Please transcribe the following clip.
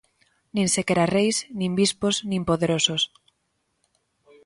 Nin sequera reis, nin bispos, nin poderosos.